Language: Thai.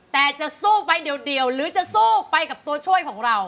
แต่จะสู้ไปเดียวหรือจะสู้ไปกับตัวช่วยของเรา